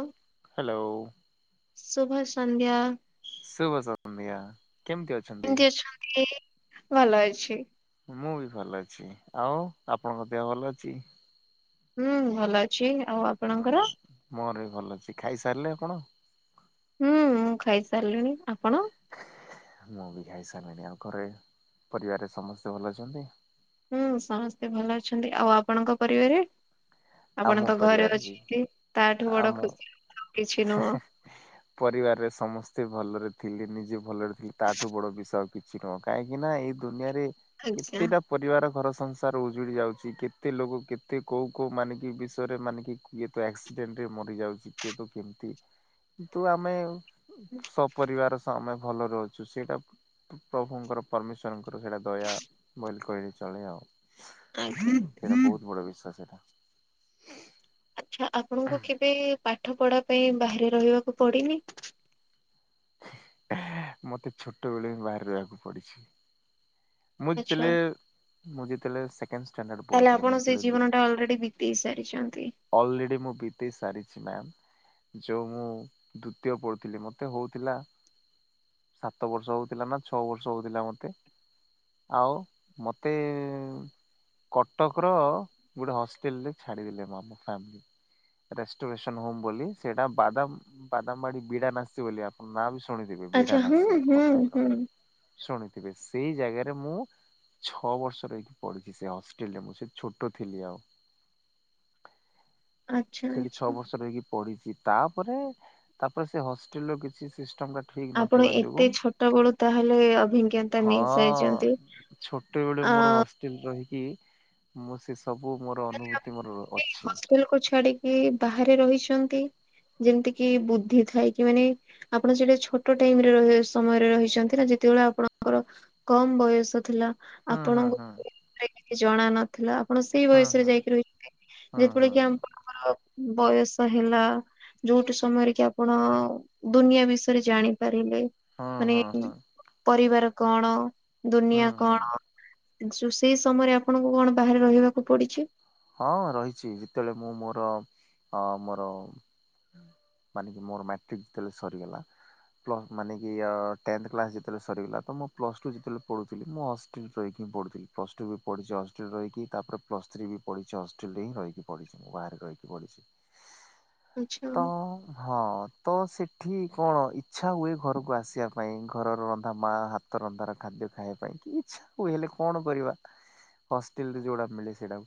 ଅଉ ଅଉ ଶୁଭ ସନ୍ଧ୍ୟା। ଶୁଭ ସନ୍ନୀୟା! କେମତି ଅଛନ୍ତି? ଭଲ ଅଛି। ମୁଁ ବି ଭଲ ଅଛି। ଆଉ ଆପଣଙ୍କ ଦେହ ଭଲ ଅଛି? ହୁଁ ଭଲ ଅ ହୁଁ ମୋର ବି ଭଲ ଅଛି। ଖାଇସାରିଲେ ଆପଣ? ହୁଁ ମୁଁ ଖାଇ ସାରିଲିଣି। ଆପଣ? ମୁଁ ବି ଖାଇସାଲିଣି। ଆଉ ଘରେ ପରିବାରରେ ସମସ୍ତେ ଭଲ ଅଛନ୍ତି? ହୁଁ ସମସ୍ତେ ଭଲ ଅଛନ୍ତି। ଆଉ ଆପଣଙ୍କ ପରିବାରେ? ଆପଣ ଆମ ତ ଘରେ ପରିବାର ଅଛନ୍ତି, ତାଠୁ ବଡ ଖୁସି କିଛି ହେଁ ନୁହଁ। ହେଁ ପରିବାରରେ ସମସ୍ତେ ଭଲରେ ଥିଲେ ନିଜେ ଭଲରେ ଥିଲି ତାଠୁ ବଡ ବିଷୟ କିଛି ନୁହଁ, କାହିଁକି ନା ଏଇ ଦୁନିଆରେ ଆଜ୍ଞା କେତେଟା ପରିବାର ଘର ସଂସାର ଉଜୁଡି ଯାଉଛି, କେତେ ଲୋକ କେତେ କୋଉ କୋଉ ମାନେ ବିଷୟରେ ମାନେ କି କିଏ ତ ଆକ୍ସିଡେଣ୍ଟ ରେ ମରି ଯାଉଛି, କିଏ ତ କେମତି? କି ତୁ ଆମେ, ସପରିବାର ସହ ମେ ଭଲ ରହୁଛୁ। ସେଇଟା ପ୍ରଭୁଙ୍କର ପରମେଶ୍ଵରଙ୍କର ସେଇଟା ଦୟା ବଇଲେ କହିଲେ ଚଳେ ଆଉ। ଆଜ୍ଞା। ସେଇଟା ବହୁତ ବଡ଼ ବିଶ୍ୱାସ ସେଟା। ହୁଁ ଆଚ୍ଛା, ଆପଣଙ୍କୁ କେବେ ପାଠ ପଢା ପାଇଁ ବାହାରେ ରହିବାକୁ ପଡିନି? ହି ହେଁ, ମତେ ଛୋଟ ବେଳେ ହିଁ ବାହାରେ ରହିବାକୁ ପଡିଛି। ମୁଁ ଯେତେଳେ ଆଚ୍ଛା ମୁଁ ଯେତେଳେ ସେକେଣ୍ଡ ତାହେଲେ ପଢୁଥିଲି ମୁଁ ଆପଣ ସେଇ ଯେତେବେଳେ ଜୀବନ ଟା ଅଲରେଡି ବିତେଇ ସାରିଛନ୍ତି। ଅଲରେଡି ମୁଁ ବିତେଇ ସାରିଛି ମ୍ୟାାମ। ଯଉ ମୁଁ ଦ୍ଵିତୀୟ ପଢୁଥିଲି ମତେ ହଉଥିଲା ସାତ ବର୍ଷ ହଉଥିଲା ନା ଛଅ ବର୍ଷ ହଉଥିଲା ମତେ। ଆଉ ମତେ କଟକ ର ଗୋଟେ ହଷ୍ଟେଲରେ ଛାଡିଦଲେ ଫାମିଲ। ରେୋରେସନ ହମ ବୋଲି ସେଇଟା ବାଦାମ ବାଦାମବାଡି ବିଡା ନାସିଛି ବୋଲି ମନୁଚେ ଶୁଣିଥିବେ ଆଚ୍ଛା ହୁଁ ବିଡ଼ାନାସୀ ହୁଁ କଟକର ହୁଁ ଶୁଣିଥିବେ ସେଇ ଜାଗାରେ ମୁଁ ଛଅ ବର୍ଷ ରହିକି ପଢିଛି ସେ ହଷ୍ଟେଲରେ ମୁଁ ସେ ଛୋଟ ଥିଲି ଆଉ। ଆଚ୍ଛା ସେଠି ଛଅ ଆଚ୍ଛା। ବର୍ଷର ହେଇକି ପଢିଚିତ। ତାପରେ ତାପରେ ସେ ହଷ୍ଟେଲ ର କିଛି ଟା ଠିକ ଆପଣ ନଥିବା ଯୋଗୁ ଏତେ ଛୋଟ ବଳୁ ତାହେଲେ ଅଭିଜ୍ଞତା ମିସାଇଛନ୍ତି। ଛୋଟ ବେଳେ ମୋର ହଷ୍ଟେଲ ରହିକି ମୋ ଶେ ସବୁ ମୋର ଅନୁଭୂତି ମୋର ଅଛି। ଏ ବାହାରେ ରହିଛନ୍ତି ଯେମିତି କିି ବୁଦ୍ଧି ଥାଇ କି ମାନେ ଆପଣ ସେଟା ଛୋଟ ଟାଇମରେ ରହିସ୍ ସମୟରେ ରହିଛନ୍ତି ନା ଯେତେବେଳେ ଆପଣଙ୍କର କମ ବୟସ ଥିଲା। ହୁଁ ହୁଁ ଆପଣଙ୍କୁ ହୁଁ ରେ ଜଣା ନଥିଲା ଆପଣ ସେଇ ହୁଁ ବୟସ ତେଳେ ହୁଁ ଯାଇକି ରହିଛନ୍ତି ଯେତେବେଳେ ହୁଁ କି ହୁଁ ଆମର୍ ବୟସ ହେଲା ଯୋଉଠି ସମୟରେ କି ଆପଣ ଦୁନିଆ ବିଷୟରେ ଜାଣିପାର ହୁଁ ମାନେ ହୁଁ ହୁଁ ହୁଁ ପରିବାର କଣ ଦୁନିଆ ହୁଁ କଣ? ହୁଁ। ସେଇ ସମୟରେ ଆପଣଙ୍କୁ କଣ ବାହାରେ ରହିବାକୁ ପଡିଛି? ହଁ ରହିଛି ଯେତେବେଳେ ମୁଁ ମୋର ଅ ମୋର ମାନେ କି ମୋର ମାଟ୍ରିକି ଯେତେଲେ ସରିଗଲା ପ୍ଳ ମାନେ କି ଆ ଟେନ୍ତ୍ଥ କ୍ଲାସ ଯେତେବେଳେ ସରିଗଲା ତ ମୁଁ ପ୍ଲସ ଟୁ ଯେତେବେଳେ ପଢୁଥିଲି ମୁଁ ହଷ୍ଟେଲ ରହିକି ପଢୁଥିଲି ପ୍ଲସଟୁ ବି ପଢିଛି ହଷ୍ଟେଲ ରହିକି ତାପରେ ପ୍ଲସ୍ ଥ୍ରୀ ବି ପଢିଛି ହଷ୍ଟେଲରେ ହିଁ ରହିକି ପଢିଛି ମୁଁ ବାହାରେ ରହିକି ପଢିଛି। ଆଛା। ହଁ ତ ସେଠି କଣ ଇଚ୍ଛା ହୁଏ ଘରକୁ ଆସିବା ପାଇଁ ଘରର ରନ୍ଧା ମା ହାତର ରନ୍ଧାର ଖାଦ୍ୟ ଖାଇବା ପାଇଁ କି ଇଛା ହୁଏ ହେଲେ କଣ କରିବା ହଷ୍ଟେଲ ରେ ଯୋଉଟା ମିଳେ ସେଇଟା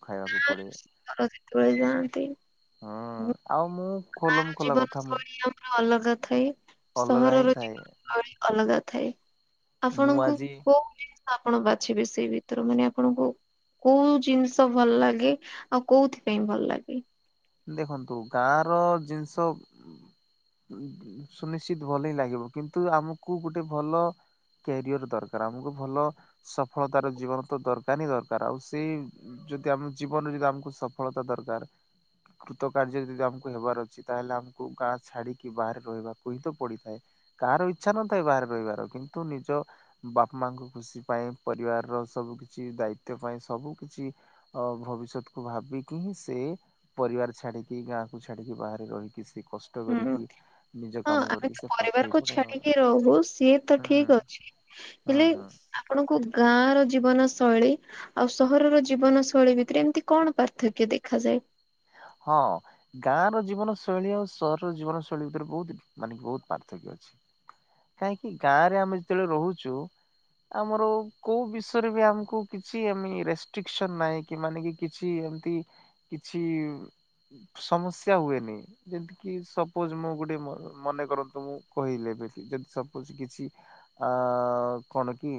ସେତେବେଳେ ଯାଆନ୍ତି ହୁଁ ଆଉ ମୁଁ ଗାଁ ର ଖୋଲମ ଖୋଲା ଜୀବନ କଥା ମୁଁ ଶୈଳୀ ଆମର ଅଲଗା ଥାଏ ଅଲଗା ହିଁ ସହରର ଥାଏ। ଜୀବନ ଶୈଳୀ ଅଲଗା ଥାଏ ମୁଁ ଆପଣଙ୍କୁ ଆଜି କୋଉ ଆପଣ ବାଛିବେ ସେଇ ଭିତରୁ ମାନେ ଆପଣଙ୍କୁ କୋଉ ଜିନିଷ ଭଲ ଲାଗେ ଆଉ କୋଉଥିପାଇଁ ଭଲ ଲାଗେ? ଦେଖନ୍ତୁ ଗାଁ ର ଜିନିଷ ସୁନିଶ୍ଚିତ ଭଲ ହିଁ ଲାଗିବ କିନ୍ତୁ ଆମକୁ ଗୋଟେ ଭଲ କ୍ୟାରିଅର ଦରକାର ଆମକୁ ଭଲ ସଫଳତାର ଜୀବନ ତ ଦରକାର ହିଁ ଦରକାର ଆଉ ସେଇ ଯଦି ଆମ ଜୀବନରେ ଯଦି ଆମକୁ ସଫଳତା ଦରକାର କୃତ କାର୍ଯ୍ୟ ଯଦି ଆମକୁ ହେବାର ଅଛି ତାହେଲେ ଆମକୁ ଗାଁ ଛାଡିକି ବାହାରେ ରହିବାକୁ ହିଁ ତ ପଡିଥାଏ। କାହାର ଇଚ୍ଛା ନଥାଏ ବାହାରେ ରହିବାର କିନ୍ତୁ ନିଜ ବାପା ମାଙ୍କ ଖୁସି ପାଇଁ ପରିବାରର ସବୁ ସବୁ କିଛି ଦାୟିତ୍ୱ ପାଇଁ ସବୁ କିଛି ଅ ଭବିଷ୍ୟତ କୁ ଭାବିକି ହିଁ ସେ ପରିବାର ଛାଡିକି ଗାଁକୁ ଛାଡିକି ବାହାରେ ରହିକି ସେ କଷ୍ଟ ହୁଁ କରିକି ନିଜ କାମ ହଁ ଆମେ କରିକି ତ ସେ ପାଠ ବି ପରିବାରକୁ ପଢେ ଆଉ ଛାଡିକି ରହୁ ସିଏ ତ ହୁଁ ଠିକ ଅଛି ହୁଁ ହେଲେ ହୁଁ ଆପଣଙ୍କୁ ଗାଁ ର ଜୀବନ ଶୈଳୀ ଆଉ ସହରର ଜୀବନ ଶୈଳୀ ଭିତରେ ଏମିତି କଣ ପାର୍ଥକ୍ୟ ଦେଖାଯାଏ? ହଁ ଗାଁ ର ଜୀବନ ଶୈଳୀ ଆଉ ସହରର ଜୀବନ ଶୈଳୀ ଭିତରେ ବହୁତ ଡି ମାନେ ବହୁତ ପାର୍ଥକ୍ୟ କାହିଁକି ଗାଁରେ ଆମେ ଯେତେବେଳେ ରହୁଛୁ ଆମର କୋଉ ବିଷୟରେ ବି ଆମକୁ କିଛି ଏମି ରେଷ୍ଟ୍ରିକସନ ନାହିଁ କି ମାନେ କି କିଛି ଯେମତି କିଛି ସମସ୍ୟା ହୁଏନି। ଯେମତି କି ସପୋଜ ମୁଁ ଗୋଟେ ମନେ କରନ୍ତୁ ମୁଁ କହି ହେଲେ ବି ଯଦି ସପୋଜ କିଛି ଅ କଣ କି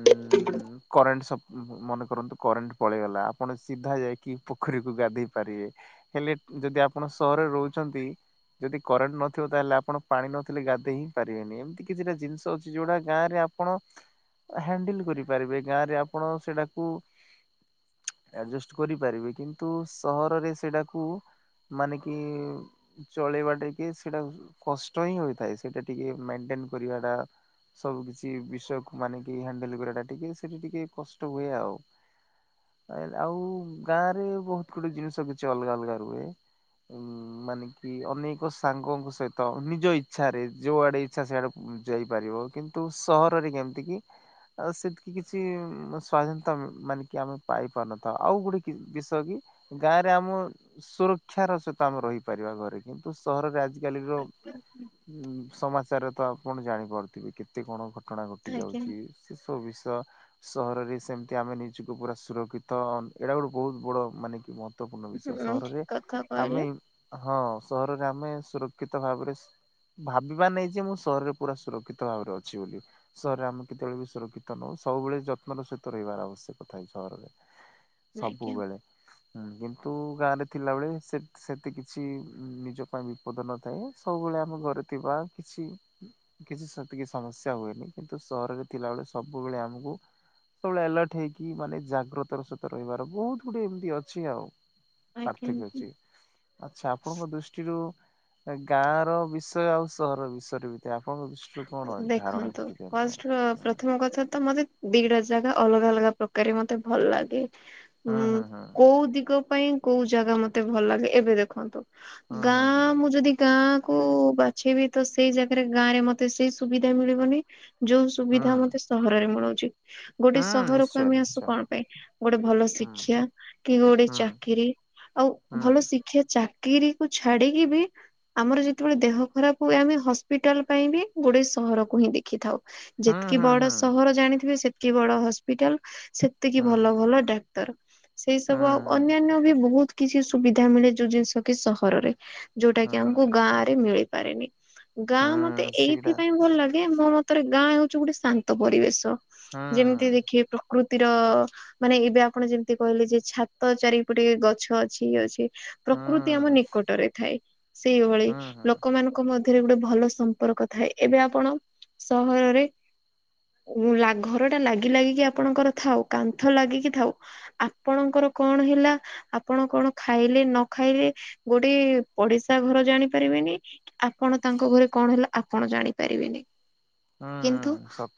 ଉଁ କରେଣ୍ଟ ସବ ମନେ କରନ୍ତୁ କରେଣ୍ଟ ପଳେଇଗଲା ଆପଣ ସିଧା ଯାଇକି ପୋଖରୀକୁ ଗାଧେଇ ପାରିବେ ହେଲେ ଯଦି ଆପଣ ସହରରେ ରହୁଛନ୍ତି ଯଦି କରେଣ୍ଟ ନଥିବ ତାହେଲେ ଆପଣ ପାଣି ନଥିଲେ ଗାଧେଇ ହିଁ ପାରିବେନି ଏମିତି କିଛିଟା ଜିନିଷ ଅଛି ଯୋଉଟା ଗାଁରେ ଆପଣ ହ୍ୟାଣ୍ଡଲ କରିପାରିବେ ଗାଁରେ ଆପଣ ସେଟାକୁ ଆଡଜଷ୍ଟ କରିପାରିବେ କିନ୍ତୁ ସହରରେ ସେଟାକୁ ମାନେ କି ଚଳେଇବା ଟିକେ ସେଇଟା କଷ୍ଟ ହିଁ ହୋଇଥାଏ ସେଇଟା ଟିକେ ମ ଏନ୍ କରିବାଟା ସବୁ କିଛି ବିଷୟକୁ ମାନେ କି ହଣ୍ଡେଲ କରିବା ଟା ଟିକେ ସେଠି ଟିକେ କଷ୍ଟ ହୁଏ ଆଉ। ଆଉ ଗାଁ ରେ ବହୁତ ଗୁଡେ ଜିନିଷ କିଛି ଅଲଗା ଅଲଗା ରୁହେ। ଉଁ ମାନେ କି ଅନେକ ସାଙ୍ଗଙ୍କ ସହିତ ନିଜ ଇଚ୍ଛା ରେ ଯୋଉଆଡେ ଇଚ୍ଛା ସେଇଆଡେ ଯାଇପାରିବ କିନ୍ତୁ ସହରରେ କେମିତି କି ଆଉ ସେତିକି କିଛି ସ୍ଵାଧୀନତା ମାନେ କି ଆମେ ପାଇ ପାରୁନଥାଉ ଆଉ ଗୋଟେ ବିଷୟ କି ଗାଁ ରେ ଆମ ସୁରଖ୍ୟା ର ସହିତ ଆମେ ରହିପାରିବା ଘରେ କିନ୍ତୁ ସହରରେ ଆଜି ଆଜି କାଲି ର ସମାଚାର ତ ଆପଣ ଜାଣିପାରୁଥିବେ କେତେ କଣ ଘଟଣା ଘଟି ଆଜ୍ଞା। ଯାଉଛି ସେ ସବୁ ବିଷୟ ସହରରେ ସେମିତି ଆମେ ନିଜକୁ ପୁରା ସୁରକ୍ଷିତ ଏଇଟା ଗୋଟେ ବହୁତ ବଡ ମାନେ କି ମ ତ୍ବପୂଣ୍ଣ ହୁଁ ବିଷୟ ସହରରେ ଠିକ କଥା କହିଲେ ଆମେ ହଁ ସହ ର ରେ ଆମେ ସୁରକ୍ଷିତ ଭାବରେ ଭାବିବା ନାଇଁ ଯେ ମୁଁ ସହରରେ ପୁରା ସୁରକ୍ଷିତ ଭାବରେ ଅଛି ବୋଲି ସହରରେ ଆମେ କେତେବେଳେ ବି ସୁରକ୍ଷିତ ନଉ ସବୁବେଳେ ଯତ୍ନର ସହିତ ରହିବାର ଆବଶ୍ୟକ ଥାଏ ସହରରେ ଆଜ୍ଞା। ସବୁବେଳେ ହୁଁ କିନ୍ତୁ ଗାଁ ରେ ଥିଲାବେଳେ ସେ ସେତେ କିଛି ନିଜ ପାଇଁ ବିପଦ ନଥାଏ ସବୁବେଳେ ଆମ ଘରେ ଥିବା କିଛି କିଛି ସେତିକି ସମସ୍ୟା ହୁଏନି କିନ୍ତୁ ସହରରେ ଥିଲାବେଳେ ସବୁ ଆମକୁ ସବୁବେଳେ ଆଲର୍ଟ ହେଇକି ମାନେ ଜାଗ୍ରତର ସହିତ ରହିବାର ବହୁତ ଗୁଡେ ଏମିତି ଅ ଅଛି ଆଉ ପାର୍ଥକ୍ୟ ଆଜ୍ଞା ଅଛି ଆଚ୍ଛା ଆପଣଙ୍କ ଦୃଷ୍ଟିରୁ ଗାଁ ର ବିଷୟ ଆଉ ସହର ବିଷୟରେ ବି ଆପଣଙ୍କ ବିଷୟ ଦେଖନ୍ତୁ ଫଷ୍ଟ ପ୍ରଥମ କଥା ତ ମତେ ଦିଟା ଜାଗା ଅଲଗା ଅଲଗା ପ୍ରକାରେ ମତେ ଭଲ ଲାଗେ ହୁଁ ଉଁ ହୁଁ ହୁଁ କୋଉ ଦିଗ ପାଇଁ କୋଉ ଜାଗା ମତେ ଭଲ ଲାଗେ ଏବେ ଦେଖନ୍ତୁ ହୁଁ ଗାଁ ହୁଁ ହୁଁ ମୁଁ ଯଦି ଗାଁ କୁ ବାଛିବି ତ ସେଇ ଜାଗାରେ ଗାଁ ରେ ମତେ ସେଇ ସୁବିଧା ମିଳିବନି ଯୋଉ ସୁବିଧା ହୁଁ ମତେ ସହରରେ ମିଳୁ ଗୋଟେ ହୁଁ ସହରକୁ ନିଶ୍ଚୟ ଆମେ ଆସୁ ନିଶ୍ଚୟ। କଣ ପାଇଁ ଗୋଟେ ଭଲ ହୁଁ ଶିକ୍ଷା କି ଗୋଟେ ହୁଁ ଚାକିରି ଆଉ ହୁଁ। ଭଲ ଶିକ୍ଷା ଚା କିିରି କୁ ଛାଡିକି ବି ଆମର ଯେତେବେଳେ ଦେହ ଖରାପ ହୁଏ ଆମେ ହସ୍ପିଟାଲ ପାଇଁ ବି ଗୋଟେ ସହରକୁ ହିଁ ଦେଖିଥାଉ ହୁଁ ଯେତିକି ହୁଁ ବଡ ହୁଁ ସହର ଜାଣିଥିବେ ସେତିକି ବଡ ହସ୍ପିଟାଲ ସେତିକି ହୁଁ ଭଲ ଭଲ ଡାକ୍ତର ସେଇ ହୁଁ ସବୁ ଆଉ ହୁଁ ଅନ୍ୟାନ୍ୟ ବି ବହୁତ କିଛି ସୁବିଧା ମିଳେ ଯୋଉ ଜିନିଷ କି ସହରରେ ଯୋଉଟା କି ହୁଁ ଆମକୁ ଗାଁ ରେ ମିଳିପାରେନି। ଗାଁ ମତେ ହୁଁ ସେଇଟା ଏଇଥିପାଇଁ ଭଲ ଲାଗେ ମୋ ମତରେ ଗାଁ ହଉଛି ଗୋଟେ ଶାନ୍ତ ପରିବେଶ। ହୁଁ ଯେମିତି ଦେଖିବେ ପ୍ରକୃତି ର ମାନେ ଏବେ ଆପଣ ଯେମିତି କହିଲେ ଯେ ଛାତ ଚାରିପଟେ ଗଛ ଅଛି ଇଏ ଅଛି। ହୁଁ ପ୍ରକୃତି ଆମ ନିକଟରେ ଥାଏ ସେଇଭଳି ହୁଁ ହୁଁ ହୁଁ ଲୋକମାନଙ୍କ ମଧ୍ୟ ରେ ଗୋଟେ ଭଲ ସମ୍ପର୍କ ଥାଏ ଏବେ ଆପଣ ସହରରେ ଘର ଟା ଲାଗି ଲାଗିକି ଆପଣଙ୍କର ଥାଉ କାନ୍ଥ ଲାଗିକି ଥାଉ ଆପଣଙ୍କର କଣ ହେଲା ଆପଣ କଣ ଖାଇଲେ ନ ଖାଇଲେ ଗୋଟେ ପଡିଶା ଘର ଜାଣିପାର ଆପଣ ତାଙ୍କ ଘରେ କଣ ହେଲା ଆପଣ ଜାଣିପାରିବେନି କିନ୍ତୁ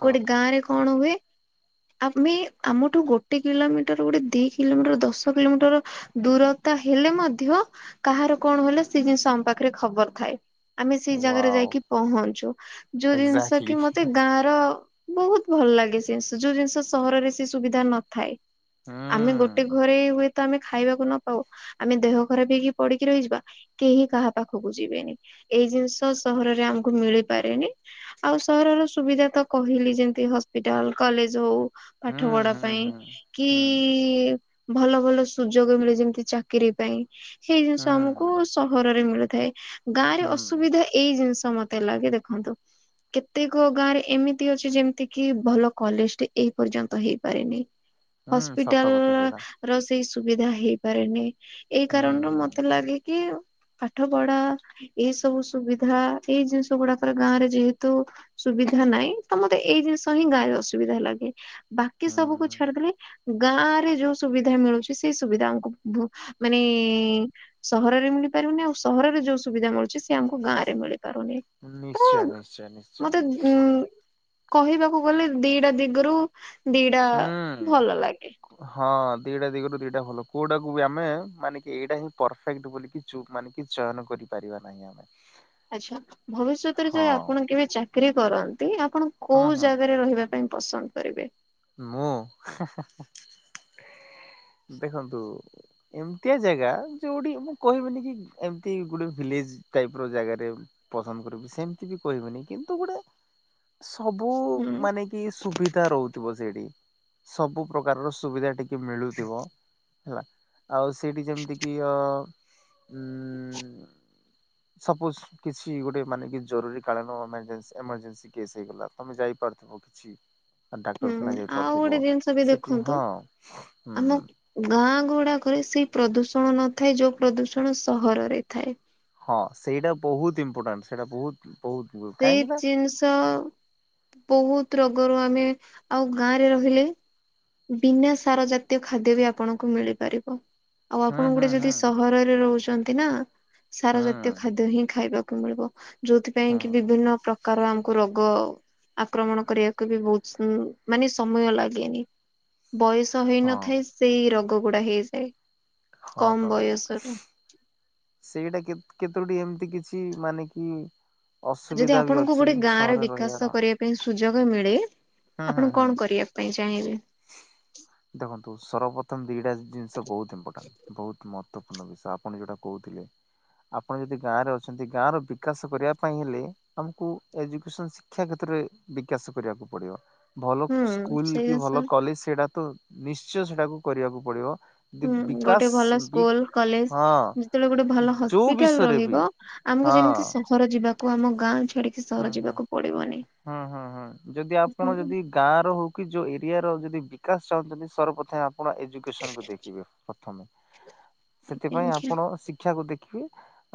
ଗୋଟେ ଗାଁ ରେ କଣ ହୁଏ ହ ଆମେ ଆମଠୁ ଗୋଟେ କିଲୋମିଟର ଗୋଟେ ଦି କିଲୋମିଟର ଦଶ କିଲୋମିଟର ଦୂରତା ହେଲେ ମଧ୍ୟ କାହାର କଣ ହେଲେ ସେ ଜିନିଷ ତମ ପାଖରେ ଖବର ଥାଏ। ଆମେ ସେଇ ଜାଗାରେ ୱାଓ ଯାଇକି ପହଞ୍ଚୁ ଯୋଉ ଜିନିଷ ଏକ୍ଜାକ୍ଟଲି କି ମତେ ଗାଁ ର ବହୁତ ଭଲ ଲାଗେ ସେ ଜିନଷ ଯୋଉ ଜିନିଷ ସହରରେ ସେ ସୁବିଧା ନଥାଏ। ହୁଁ ଆମେ ଗୋଟେ ଘରେ ହୁଏ ତ ଆମେ ଖାଇବାକୁ ନ ପାଉ ଆମେ ଦେହ ଖରାପ ହେଇକି ପଡିକି ରହିଯିବା କେହି କାହା ପାଖକୁ ଯିବେନି। ଏଇ ଜିନିଷ ସହରରେ ଆମ ମିଳିପାରେନି ଆଉ ସହରର ସୁବିଧା ତ କହିଲି ଯେମତି ହସ୍ପିଟାଲ କଲେଜ ହଉ ପାଠ ହୁଁ ପଢା ହୁଁ ପାଇଁ ହୁଁ କି ହୁଁ ଭଲ ଭଲ ସୁଯୋଗ ମିଳେ ଯେମିତି ଚାକିର ପାଇଁ ସେଇ ଜିନିଷ ହୁଁ ଆମକୁ ସହରରେ ମିଳେ। ଥାଏ ଗାଁ ରେ ହୁଁ ଅସୁବିଧା ଏଇ ଜିନିଷ ମତେ ଲାଗେ ଦେଖନ୍ତୁ କେତେକ ଗାଁ ରେ ଏମିତି ଅଛି ଯେମିତି କି ଭଲ କଲେଜଟି ଏଇ ପର୍ଯ୍ୟନ୍ତ ହେଇପାରେନି। ହୁଁ ସତ ହସ୍ପିଟାଲ କଥା ସେଇଟା ର ସେଇ ସୁବିଧା ହେଇପାରେନି। ଏଇ ହୁଁ କାରଣରୁ ମତେ ହୁଁ ଲାଗେ କି ପାଠପଢା, ଏଇ ସବୁ ସୁବିଧା ଏଇ ଜିନିଷ ଗୁଡାକର ଗାଁ ରେ ଯେହେତୁ ସୁବିଧା ନାହିଁ, ତ ମତେ ଏଇ ଜିନିଷ ହିଁ ଗାଁରେ ଅସୁବିଧା ଲାଗେ। ବାକି ହୁଁ ସବୁକୁୁ ଛାଡିଦେଲେ ଗାଁ ରେ ଯୋଉ ସୁବିଧା ମିଳୁଛି, ସେଇ ସୁବିଧା ଆମକୁ ମାନେ ସହରରେ ମିଳିପାରିବନି। ଆଉ ସହରରେ ଯୋଉ ସୁବିଧା ମିଳୁଚି ସେ ଆମକୁ ଗାଁରେ ମିଳି ପାରୁନି। ତ ନିଶ୍ଚୟ ନିଶ୍ଚୟ ନିଶ୍ଚୟ ମତେ ଉଁ କହିବାକୁ ଗଲେ ଦିଟା ଦିଗରୁ ଦିଟା ହୁଁ ଭଲ ଲାଗେ। ହଁ ଦିଟା ଦିଗରୁ ଦିଟା ଭଲ। କୋଉଟାକୁ ବି ଆମେ ମାନେ କି ଏଇଟା ହିଁ ପରଫେକ୍ଟ ବୋଲିକି ଚୁପ୍ ମାନିକି ଚୟନ କରିପାରିବା ନାହିଁ ଆମେ। ଆଚ୍ଛା। ଭବିଷ୍ୟତରେ ହଁ ଯଦି ଆପଣ କେବେ ଚାକିରୀ କରନ୍ତି, ଆପଣ ହଁ କୋଉ ହଁ ଜାଗାରେ ରହିବା ପାଇଁ ପସନ୍ଦ କରିବେ? ମୁଁ? ହେ ହେ ହେ ଦେଖନ୍ତୁ ଏମିତିଆ ଜାଗା ଯୋଉଠି ମୁଁ କହିବିନି କି ଏମତି ଗୋଟେ ଭିଲେଜ୍ ଟାଇପର ଜାଗାରେ ପସନ୍ଦ କରିବି, ସେମିତି ବି କହିବିନି କିନ୍ତୁ ଗୋଟେ ସବୁ ହୁଁ ମାନେ କି ସୁବିଧା ରହୁଥିବ ସେଇଠି। ସବୁ ପ୍ରକାରର ସୁବିଧା ଟିକେ ମିଳୁଥିବ ହେଲା। ଆଉ ସେଇଠି ଯେମିତି କିି ଅ ହୁଁ। ସପୋଜ କିଛି ଗୋଟେ ମାନେ କି ଜରୁରୀକାଳୀନ ଏମରଜେନ୍ସି ଏମରଜେନ୍ସି କେସ୍ ହେଇଗଲା, ତମେ ଯାଇ ପାରୁନଥିବ କିଛି ନା ହୁଁ ଡାକ୍ଟରଖାନା ଯାଇ ଆଉ ଗୋଟେ ପାରୁଥିବ ଜିନିଷ ବି ସେଠି ଦେଖନ୍ତୁ ହଁ ହୁଁ ଆମ ହୁଁ। ଗାଁ ଗୁଡାକରେ ସେଇ ପ୍ରଦୂଷଣ ନଥାଏ ଯୋଉ ପ୍ରଦୂଷଣ ସହରରେ ଥାଏ। ହଁ ସେଇଟା ବହୁତ ଇମ୍ପୋର୍ଟାଣ୍ଟ। ସେଇଟା ବହୁତ ବହୁତ ସେଇ କାହିଁକି ନା ଜିନିଷ ବହୁତ ରୋଗରୁ ଆମେ ଆଉ ଗାଁରେ ରହିଲେ ବିନା ସାର ଜାତୀୟ ଖାଦ୍ୟ ବି ଆପଣଙ୍କୁ ମିଳିପାରିବ। ଆଉ ହୁଁ ଆପଣ ହୁଁ ଗୋଟେ ଯଦି ହୁଁ ସହରରେ ରହୁଛନ୍ତି ନା, ସାର ହୁଁ ଜାତୀୟ ଖାଦ୍ୟ ହିଁ ଖାଇବାକୁ ମିଳିବ। ଯୋଉଥି ହୁଁ ପାଇଁକି ବିଭିନ୍ନ ପ୍ରକାର ଆମକୁ ରୋଗ ଗ ଆକ୍ରମଣ କରିବାକୁ ବି ବହୁତ ମାନେ ସମୟ ଲାଗେନି। ବୟସ ହଁ ହେଇନଥାଏ ସେଇ ରୋଗ ଗୁଡା ହେଇଯାଏ ହଁ କମ୍ ତ ବୟସରୁ। ସେଇଟା କେତୋଟି ଏମିତି କିଛି ମାନେ କି? ଯଦି ଅସୁବିଧା ବି ଆପଣଙ୍କୁ ଅଛି ଗୋଟେ ଗାଁ ର ସହରରେ ବିକାଶ ରହିବାର କରିବା ପାଇଁ ସୁ ସୁଯୋଗ ମିଳେ ହୁଁ ହୁଁ ଆପଣ ହୁଁ କଣ କରିବା ପାଇଁ ଚାହିଁବେ? ଦେଖନ୍ତୁ ସର୍ବପ୍ରଥମ ଦିଟା ଜିନିଷ ବହୁତ ଇପୋର୍ଟାଣ୍ଟ ବହୁତ ମ ଗୁରୁତ୍ୱପୂର୍ଣ୍ଣ ବିଷୟ ଆପଣ ଯୋଉଟା କହୁଥିଲେ। ଆପଣ ଯଦି ଗାଁ ରେ ଅଛନ୍ତି ଗାଁ ର ବିକାଶ କରିବା ପାଇଁ ହେଲେ ଆମକୁ ଏଜୁକସନ ଶିକ୍ଷା କ୍ଷେତ୍ର ବିକାଶ କରିବାକୁ ପଡିବ ଭଲ ହୁଁ ସ୍କୁଲ ସେଇ କି ଜିନିଷ ଭଲ କଲେଜ ସେଇଟା ତ ନିଶ୍ଚୟ ସେଟାକୁ କରିବାକୁ ପଡିବ। ଦି ହୁଁ ଗୋଟେ ବିକାଶ ଭଲ ବି ସ୍କୁଲ କଲେଜ ହଁ ଯେତେବେଳେ ଗୋଟେ ଭଲ ଯୋଉ ହସ୍ପିଟାଲ ବିଷୟରେ ବି ରହିବ ଆମକୁ ହଁ ଯେମିତି ସହର ଯିବାକୁ ଆମ ଗାଁ ଛାଡିକି ହୁଁ ସହର ହୁଁ ଯିବାକୁ ପଡିବନି। ହୁଁ ହୁଁ ହୁଁ ଯଦି ହୁଁ ଆପଣ ଯଦି ଗାଁ ର ହଉ କି ଯୋଉ ଏରିଆ ର ଯଦି ବିକାଶ ଚାହୁଁଛନ୍ତି ସର୍ବପ୍ରଥମେ ଆପଣ ଏଜୁକସନ କୁ ଦେଖିବେ ପ୍ରଥମେ ହୁଁ ସେଥିପାଇଁ ଆପଣ ଶିକ୍ଷାକୁ ଦେଖିବେ।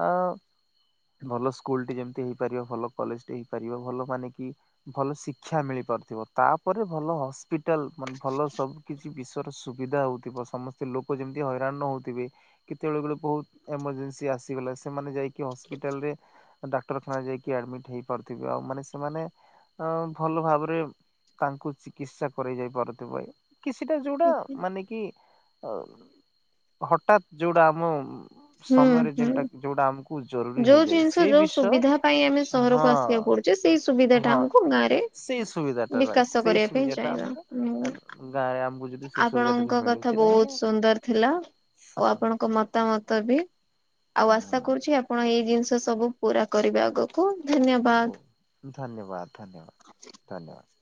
ଅ ଭଲ ସ୍କୁଲ ଟି ଯେମିତି ହେଇପାରିବ ଭଲ। କଲେଜ ହେଇପାରିବ ଭଲ ମାନେ କି ଭଲ ଶିକ୍ଷା ମିଳିପାରୁଥିବ ତାପରେ ଭଲ ହସ୍ପିଟା ପିଟାଲେ ଭଲ ସବୁ କିଛି ବି ସୁବିଧା ହଉଥିବ ସମସ୍ତେ ଲୋକ ଯେମିତି ହଇରାଣ ନ ହଉଥିବେ କେତେବେଳେ ବଳେ ବହୁତ ଏମଜେନ୍ସି ଆଗ ସେମାନେ ଯାଇକି ହପିଟାଲ ରେ ଡାକ୍ତରଖାନା ଯାଇ ଆଦୀମିତି। ହେଇପାରୁଥିବେ ଆଉ ମାନେ ସେମାନେ ଅ ଭଲ ଭାବରେ ତାଙ୍କୁ ଚିକିତ୍ସା କ ଯାଇ ପାରୁତ ଭାଇ। କିଛିଟା ଯୋଉଟା ମାନେ କି ଅ ହଠାତ୍ ଯୋଉଟା ଆମ ସମୟରେ ଯେନ୍ଟା ଯୋଉଟା ଆମକୁ ଜରୁରୀ ଯୋଉ ହେଇଯାଏ ଜିନିଷ ସେ ଯୋଉ ବିଷୟ ସୁବିଧା ପାଇଁ ଆମେ ସହରକୁ ହଁ ଆସିବାକୁ ପଡୁଛେ ସେଇ ସୁବିଧା ଟା ହଁ ଆମକୁ ଗାଁ ରେ ସେଇ ସୁବିଧାଟା ରାଇଟ ବିକାଶ ସେଇ କରିବା ପାଇଁ ସୁବିଧାଟା ଚାହିଁବା ଆମର ହୁଁ ଗା। ଆପଣଙ୍କ କଥା ବହୁତ ସୁନ୍ଦର ଥିଲା। ଆଉ ଆପଣଙ୍କ ମତାମତ ବି ଆଉ ଆଶା କରୁଛି ଆପଣ ଏଇ ଜିନିଷ ସେ ସବୁ ପୁରା କରିବା ଆଗକୁ। ଧନ୍ୟବାଦ ଧନ୍ୟବାଦ ଧନ୍ୟବାଦ।